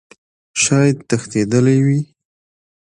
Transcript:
شايد تښتيدلى وي .